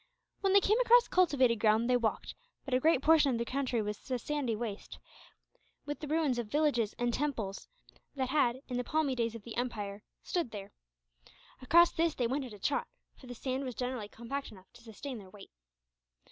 When they came across cultivated ground they walked; but a great portion of the country was a sandy waste; with the ruins of villages and temples that had, in the palmy days of the empire, stood there. Across this they went at a trot, for the sand was generally compact enough to sustain their weight.